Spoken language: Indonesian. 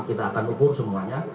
kita akan ukur semuanya